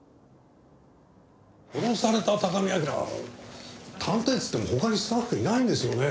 殺された高見明は探偵といっても他にスタッフいないんですよね。